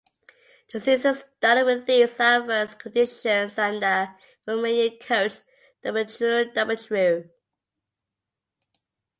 The season started with these adverse conditions and the Romanian coach Dumitru Dumitriu.